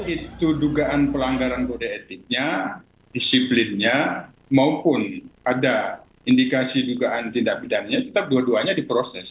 itu dugaan pelanggaran kode etiknya disiplinnya maupun ada indikasi dugaan tindak pidananya tetap dua duanya diproses